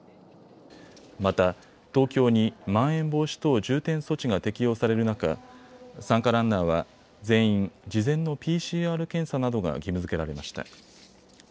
また東京にまん延防止等重点措置が適用される中、参加ランナーは全員、事前のＰＣＲ検査などが義務づけられました。